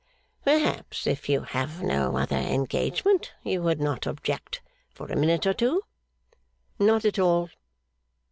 'Perhaps, if you have no other engagement, you would not object for a minute or two ' 'Not at all.